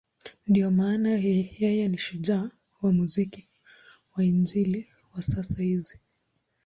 Ndiyo maana yeye ni shujaa wa muziki wa Injili wa sasa hizi.